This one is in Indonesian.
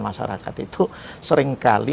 masyarakat itu seringkali